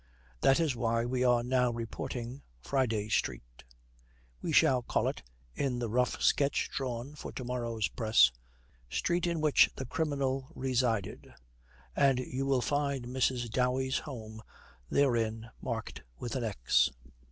That is why we are now reporting Friday Street. We shall call it, in the rough sketch drawn for to morrow's press, 'Street in which the criminal resided'; and you will find Mrs. Dowey's home therein marked with a X.